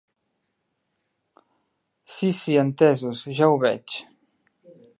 Si si entesos, ja ho veig!